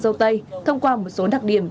dâu tây thông qua một số đặc điểm